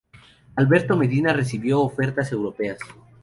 Alberto Medina recibió ofertas europeas.